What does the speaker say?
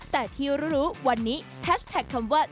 แต่ที่รู้วันนี้แฮชแท็กคำว่า